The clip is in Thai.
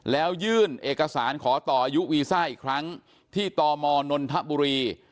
แล้วยื่นเอกสารขอต่ออายุวีซ่าอีกครั้งที่ตมนนทบุรี